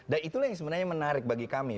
dan itulah yang sebenarnya menarik bagi kami